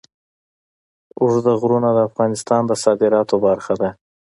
اوږده غرونه د افغانستان د صادراتو برخه ده.